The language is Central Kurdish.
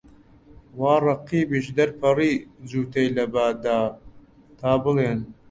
وا ڕەقیبیش دەرپەڕی، جووتەی لە با دا، تا بڵێن